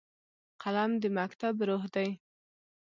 قلم د مکتب روح دی